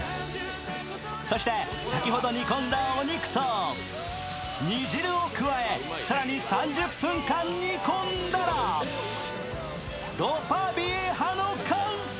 そして、先ほど煮込んだお肉と煮汁を加え、更に３０分間煮込んだらロパビエハの完成。